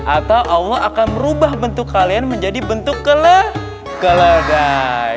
atau allah akan merubah bentuk kalian menjadi bentuk keledai